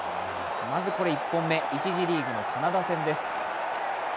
まず１本目、１次リーグのカナダ戦です。